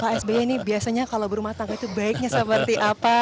pak sby ini biasanya kalau berumah tangga itu baiknya seperti apa